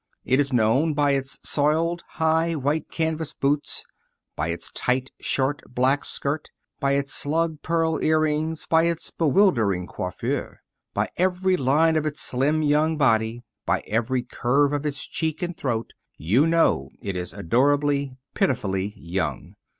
It is known by its soiled, high, white canvas boots; by its tight, short black skirt; by its slug pearl earrings; by its bewildering coiffure. By every line of its slim young body, by every curve of its cheek and throat you know it is adorably, pitifully young.